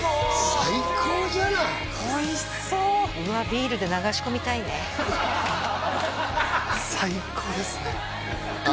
最高じゃないおいしそううわっビールで流し込みたいね最高ですね